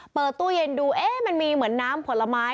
เปิดตู้เย็นดูเอ๊ะมันมีเหมือนน้ำผลไม้